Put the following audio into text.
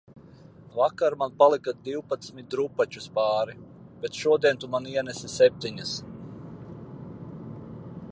Vakar man palika divpadsmit drupačas pāri, bet šodien tu man ienesi septiņas